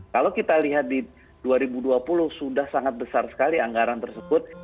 kalau kita lihat di dua ribu dua puluh sudah sangat besar sekali anggaran tersebut